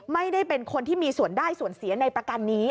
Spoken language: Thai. ไม่ได้เป็นคนที่มีส่วนได้ส่วนเสียในประกันนี้